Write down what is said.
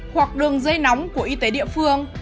hoặc đường dây nóng của y tế địa phương